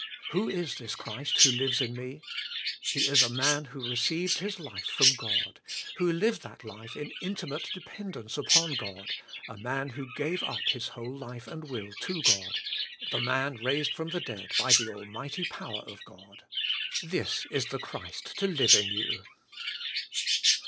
Who is this Christ who lives in me ? He is a man who received His life from God, who lived that life in intimate depend ence upon God, a man who gave up His whole life and will to God, the man raised from the dead by the almighty power of God. This is the Christ to live in you.